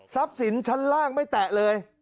ทรัพย์สินชั้นล่างไม่แตะเลย